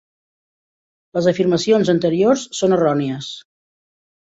Les afirmacions anteriors són errònies.